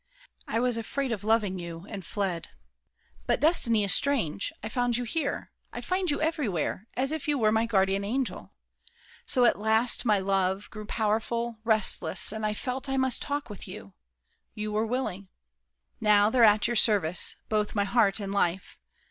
I was afraid of loving you, and fled! But destiny is strange: I found you here, I find you everywhere, as if you were My guardian angel. So at last, my love Grew powerful, resistless, and I felt I must talk with you. You were willing. Now They're at your service, both my heart and life.